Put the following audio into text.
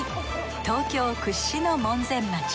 東京屈指の門前町。